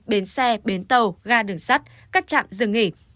bến xe bến tàu ga đường sắt các trạm dừng nghỉ